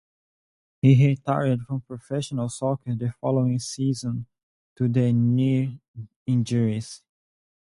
He retired from professional soccer the following season due to knee injuries.